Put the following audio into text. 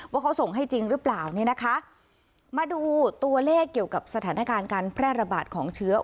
ว่าเขาส่งให้จริงหรือเปล่าเนี่ยนะคะมาดูตัวเลขเกี่ยวกับสถานการณ์การแพร่ระบาดของเชื้อ